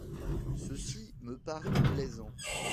Ceci me parut plaisant.